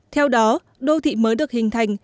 theo đó đô thị mới được hình thành